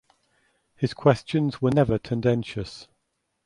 His questions were never tendentious.